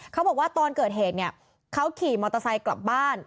เขาบอกว่าตอนเกิดเหตุเนี่ยเขาขี่มอเตอร์ไซค์กลับบ้าน